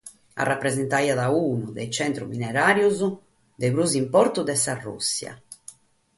Rapresentaiat unu de is tzentros mineràrios prus de importu de sa Rùssia.